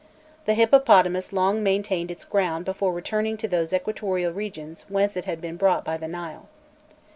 The hippopotamus long maintained its ground before returning to those equatorial regions whence it had been brought by the Nile.